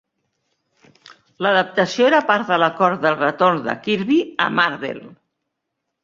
L'adaptació era part de l'acord del retorn de Kirby a Marvel.